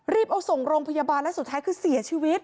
เอาส่งโรงพยาบาลแล้วสุดท้ายคือเสียชีวิต